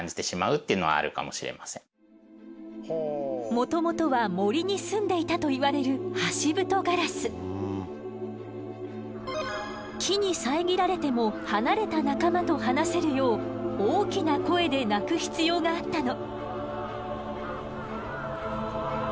もともとは森に住んでいたといわれる木に遮られても離れた仲間と話せるよう大きな声で鳴く必要があったの。